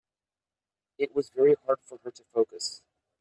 It was very hard for her to focus.